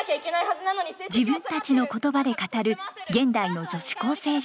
自分たちの言葉で語る現代の女子高生事情。